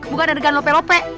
bukan adegan lope lope